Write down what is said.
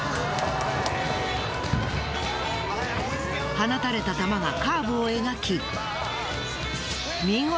放たれた球がカーブを描き。